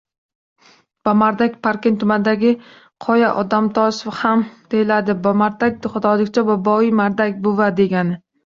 Bamardak - Parkent tumanidagi qoya, Odamtosh ham deyiladi. Bomardak - tojikchada Boboi mardak “buva” degani.